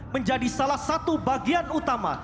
menjadi salah satu bagian utama